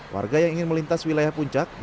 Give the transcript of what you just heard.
warga yang ingin melintas wilayah puncak